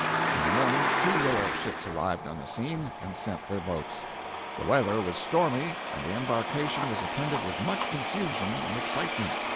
In the morning two whale ships arrived on the scene and sent their boats. The weather was stormy and the embarkation was attended with much confusion and excitement.